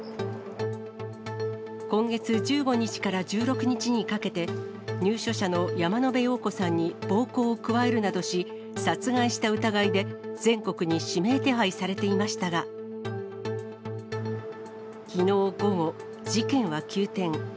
今月１５日から１６日にかけて、入所者の山野辺陽子さんに暴行を加えるなどし、殺害した疑いで、全国に指名手配されていましたが、きのう午後、事件は急転。